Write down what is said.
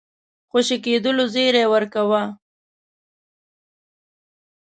خوشي کېدلو زېری ورکاوه.